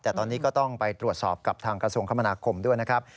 แต่ตอนนี้ก็ต้องไปตรวจสอบกับทางกระทรวงคมนาคมด้วยนะครับ